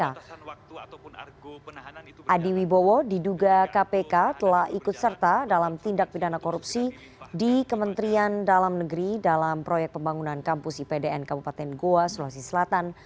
adiwibowo diduga kpk telah ikut serta dalam tindak pidana korupsi di kementerian dalam negeri dalam proyek pembangunan kampus ipdn kabupaten goa sulawesi selatan